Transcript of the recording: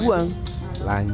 bunga yang diambil dari air